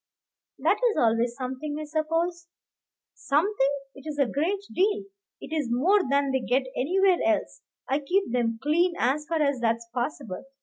"That is always something, I suppose." "Something! it is a great deal; it is more than they get anywhere else. I keep them clean, as far as that's possible.